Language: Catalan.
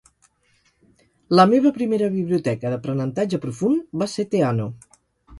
La meva primera biblioteca d'aprenentatge profund va ser Theano.